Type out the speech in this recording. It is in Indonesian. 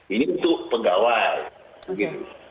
ini untuk pegawai